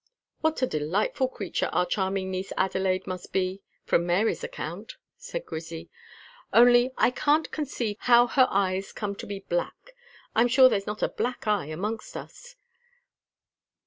"What a delightful creature our charming niece Adelaide must be, from Mary's account," said Grizzy; "only I can't conceive how her eyes come to be black. I'm sure there's not a black eye amongst us.